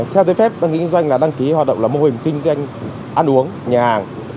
theo giấy phép đăng kinh doanh là đăng ký hoạt động là mô hình kinh doanh ăn uống nhà hàng